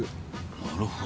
なるほど。